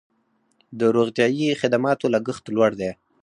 د روغتیايي خدماتو لګښت لوړ دی